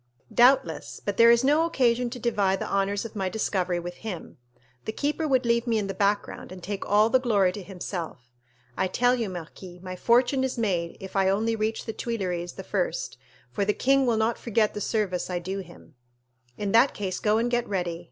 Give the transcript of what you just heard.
"Doubtless; but there is no occasion to divide the honors of my discovery with him. The keeper would leave me in the background, and take all the glory to himself. I tell you, marquis, my fortune is made if I only reach the Tuileries the first, for the king will not forget the service I do him." "In that case go and get ready.